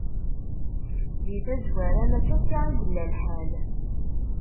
Di tazwara, mačči akka i yella lḥal.